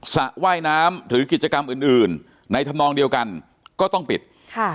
สระว่ายน้ำหรือกิจกรรมอื่นอื่นในธรรมนองเดียวกันก็ต้องปิดค่ะ